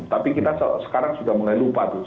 tapi kita sekarang sudah mulai lupa tuh